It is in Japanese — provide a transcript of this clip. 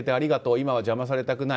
今は邪魔されたくない。